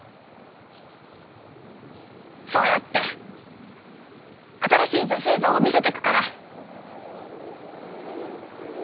そうやって新しい女性像を見せていくから。